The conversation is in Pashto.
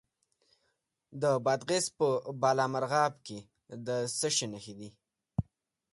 د بادغیس په بالامرغاب کې د څه شي نښې دي؟